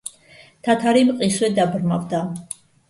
თათარი მყისვე დაბრმავდა.